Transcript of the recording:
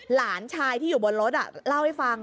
หลานชายที่อยู่บนรถเล่าให้ฟัง